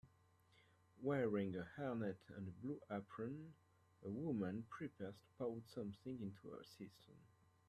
Wearing a hairnet and blue apron a woman prepares to pout something into a cistern.